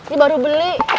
ini baru beli